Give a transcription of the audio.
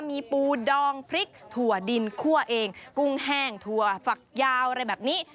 มีปูดองพริกถั่วดินคั่วเองกุ้งแห้งถั่วฝักยาวอะไรแบบนี้